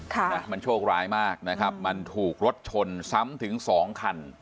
ค่ะนะมันโชคร้ายมากนะครับมันถูกรถชนซ้ำถึงสองคัน